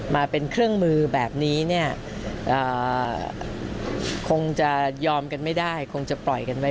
มาเป็นเครื่องมือแบบนี้เนี่ยคงจะยอมกันไม่ได้คงจะปล่อยกันไว้